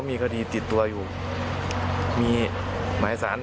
ก็เลยตามไปที่บ้านไม่พบตัวแล้วค่ะ